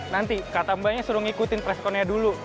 nanti kata mbaknya suruh ngikutin presscon nya dulu